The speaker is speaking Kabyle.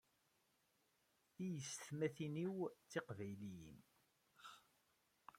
Tiyestmatin-iw d tiqbayliyin.